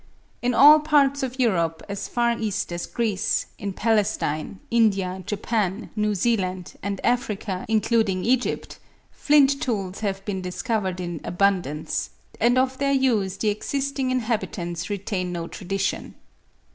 In all parts of Europe, as far east as Greece, in Palestine, India, Japan, New Zealand, and Africa, including Egypt, flint tools have been discovered in abundance; and of their use the existing inhabitants retain no tradition.